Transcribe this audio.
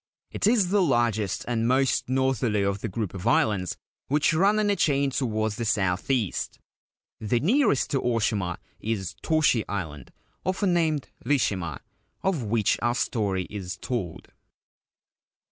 It is the largest and most northerly of the group of islands which run in a chain towards the south east. The nearest to Oshima is Toshi Island, often named Rishima, of which our story is told.